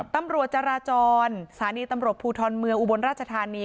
ตำรวจจราจรสถานีตำรวจภูทรเมืองอุบลราชธานี